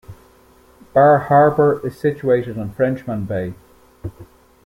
Bar Harbor is situated on Frenchman Bay.